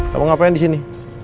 kamu ngapain di sini